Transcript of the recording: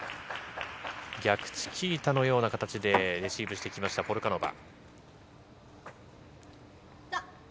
逆チキータのような形でレシーブしてきましたポルカノバ。